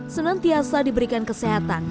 senantiasa diberikan kesehatan